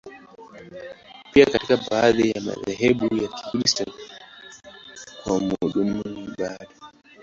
Pia katika baadhi ya madhehebu ya Kikristo, kwa madhumuni ya ibada.